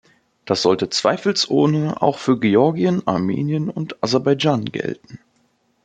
Das sollte zweifelsohne auch für Georgien, Armenien und Aserbaidschan gelten.